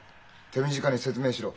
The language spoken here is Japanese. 手短に説明しろ。